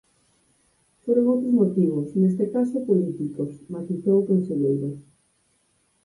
"Foron outros motivos, neste caso políticos", matizou o conselleiro.